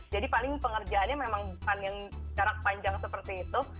jadi paling pengerjaannya memang bukan yang jarak panjang seperti itu